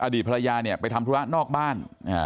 อดีตภรรยาเนี่ยไปทำธุระนอกบ้าน